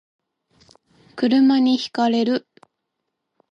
車に轢かれる